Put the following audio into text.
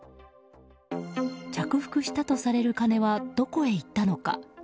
着服したとされる金はどこにいったのか。